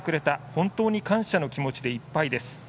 本当に感謝の気持ちでいっぱいです。